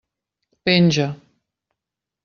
Penja.